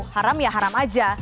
haram ya haram aja